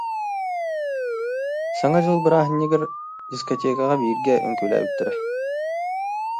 Саҥа дьыл бырааһынньыгар дискотекаҕа бииргэ үҥкүүлээбиттэрэ